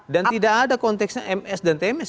dan tidak ada konteksnya ms dan tms